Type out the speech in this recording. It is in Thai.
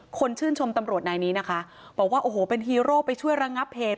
คนชื่นชมตำรวจนายนี้นะคะบอกว่าโอ้โหเป็นฮีโร่ไปช่วยระงับเหตุ